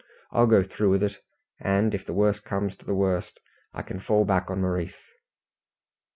I'll go through with it, and, if the worst comes to the worst, I can fall back on Maurice."